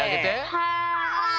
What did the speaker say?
はい！